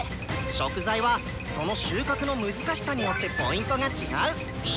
食材はその収穫の難しさによってＰが違う。